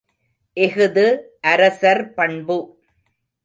இஃது அரசர் பண்பு.